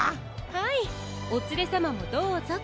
はいおつれさまもどうぞと。